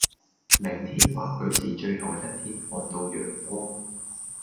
明天或許是最後一天看到陽光，